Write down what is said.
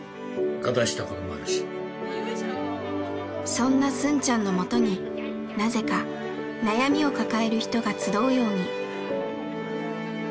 そんなスンちゃんのもとになぜか悩みを抱える人が集うように。